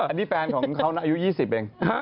อันนี้แฟนของเขานะอายุ๒๐เอง